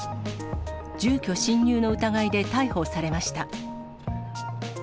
住居侵入の疑いで逮捕されました。